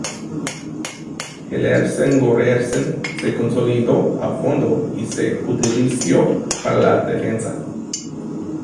Gelersen-Gorersen se consolidó a fondo y se utilizó para la defensa.